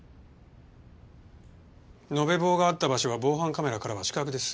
延べ棒があった場所は防犯カメラからは死角です。